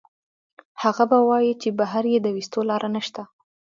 هغه به وائي چې بهر ئې د ويستو لار نشته